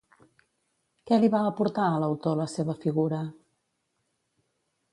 Què li va aportar a l'autor la seva figura?